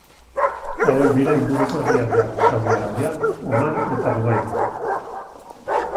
Hauek dira inguruko herrialdeak: Saudi Arabia, Oman eta Dubai.